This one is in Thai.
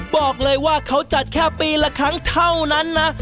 บอกเลยว่าเขาจัดแค่ปีละครั้งเท่านั้นนะ